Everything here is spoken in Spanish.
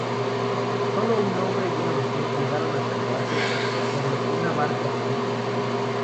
Solo un hombre y una mujer llegaron a salvarse sobre una barca de junco.